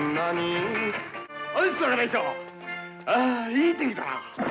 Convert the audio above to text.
ああいい天気だな。